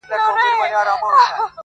زه ټپه یم د ملالي چي زړېږم لا پخېږم،